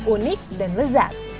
unik dan lezat